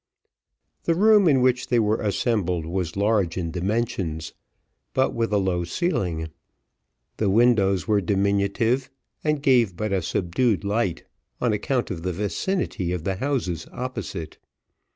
The room in which they were assembled was large in dimensions, but with a low ceiling the windows were diminutive, and gave but a subdued light, on account of the vicinity of the houses opposite.